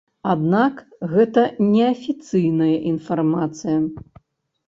Аднак гэта неафіцыйная інфармацыя.